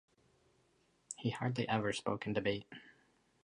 He hardly ever spoke in debate.